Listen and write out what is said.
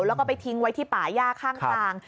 แล้วก็ไปทิ้งไว้ที่ป่าย่าข้างทาง